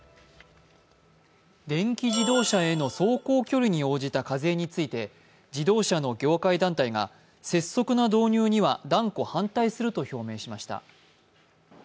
電気自動車の走行距離に応じた課税について自動車の業界団体が拙速な導入には断固反対すると表明しました。